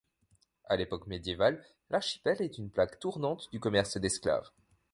À l'époque médiévale, l'archipel est une plaque tournante du commerce d'esclave.